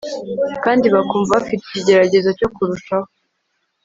kandi bakumva bafite ikigeragezo cyo kurushaho